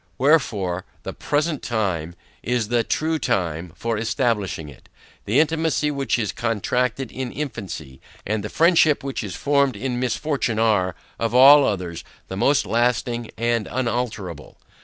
Wherefore, the PRESENT TIME is the TRUE TIME for establishing it. The intimacy which is contracted in infancy, and the friendship which is formed in misfortune, are, of all others, the most lasting and unalterable.